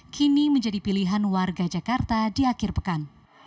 kini menjadi pilihan warga jakarta di akhir pekan